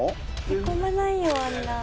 へこまないよあんな。